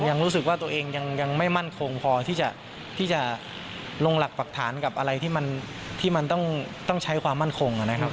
ยังรู้สึกว่าตัวเองยังไม่มั่นคงพอที่จะลงหลักปรักฐานกับอะไรที่มันต้องใช้ความมั่นคงนะครับ